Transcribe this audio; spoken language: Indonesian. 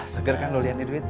seger kan lo liat nih duit ha